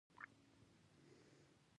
وايي دنیا دوه ورځې ده.